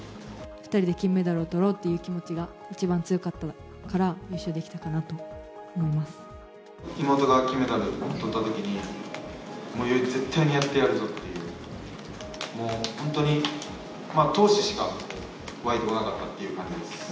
２人で金メダルをとろうっていう気持ちが一番強かったから、妹が金メダルとったときに、絶対にやってやるぞっていう、もう本当に、闘志しか湧いてこなかったっていう感じです。